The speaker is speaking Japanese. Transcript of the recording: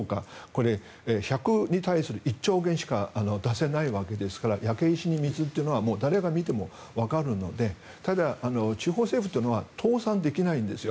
これ、１００に対する１兆元しか出せないわけですから焼け石に水というのは誰が見てもわかるのでただ、地方政府というのは倒産できないんですよ。